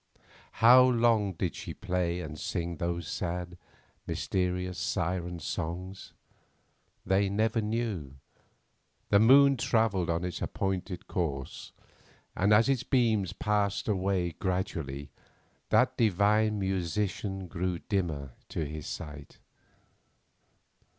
How long did she play and sing those sad, mysterious siren songs? They never knew. The moon travelled on its appointed course, and as its beams passed away gradually that divine musician grew dimmer to his sight.